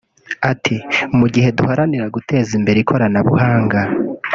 Ati “Mu gihe duharanira gukomeza guteza imbere ikoranabuhanga